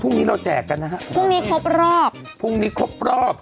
พรุ่งนี้เราแจกกันนะฮะพรุ่งนี้ครบรอบพรุ่งนี้ครบรอบ